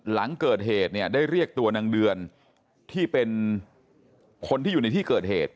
หลังเกิดเหตุเนี่ยได้เรียกตัวนางเดือนที่เป็นคนที่อยู่ในที่เกิดเหตุ